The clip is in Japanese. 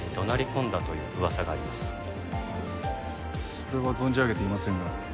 それは存じ上げていませんが。